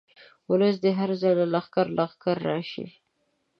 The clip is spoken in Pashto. اولس دې هر ځاي نه لښکر لښکر راشي.